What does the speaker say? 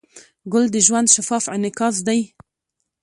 ګل د ژوند شفاف انعکاس دی.